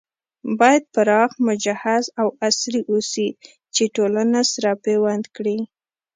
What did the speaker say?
بايد پراخ، مجهز او عصري اوسي چې ټولنه سره پيوند کړي